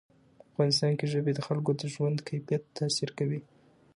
افغانستان کې ژبې د خلکو د ژوند کیفیت تاثیر کوي.